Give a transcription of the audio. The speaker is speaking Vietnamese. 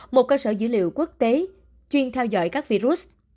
một cơ sở dữ liệu quốc tế chuyên theo dõi các virus